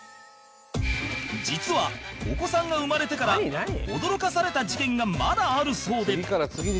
実はお子さんが生まれてから驚かされた事件がまだあるそうで